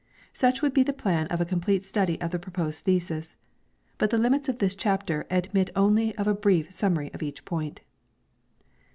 Such would be the plan of a complete study of the proposed thesis. But the limits of this chapter admit only of a brief summary of each point.